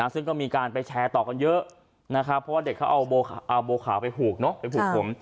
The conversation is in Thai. ซึ่งก็มีการไปแชร์ต่อกันเยอะนะครับเพราะว่าเด็กเขาเอาบัวขาวไปผูกเนอะไปผูกผม